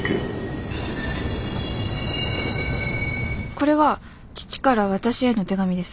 これは父から私への手紙です。